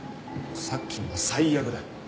さっきのは最悪だ。